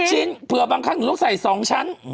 ชิ้นเผื่อบางครั้งหนูต้องใส่๒ชั้น